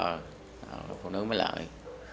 rồi phụ nữ mới lợi